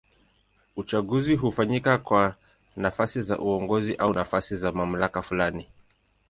Uchaguzi hufanyika kwa nafasi za uongozi au nafasi za mamlaka fulani.